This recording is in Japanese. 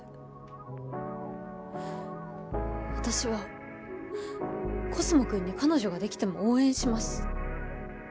私はコスモくんに彼女ができても応援します